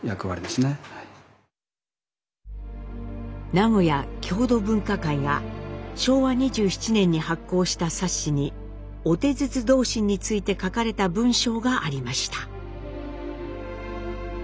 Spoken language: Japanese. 名古屋郷土文化会が昭和２７年に発行した冊子に「御手筒同心」について書かれた文章がありました。